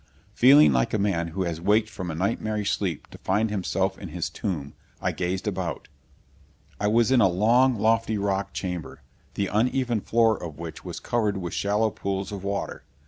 Feeling like a man who has waked from a nightmarish sleep to find himself in his tomb, I gazed about. I was in a long, lofty rock chamber, the uneven floor of which was covered with shallow pools of water.